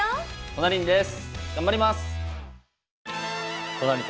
頑張ります！